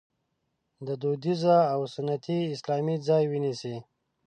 د دودیز او سنتي اسلام ځای ونیسي.